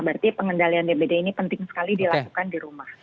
berarti pengendalian dbd ini penting sekali dilakukan di rumah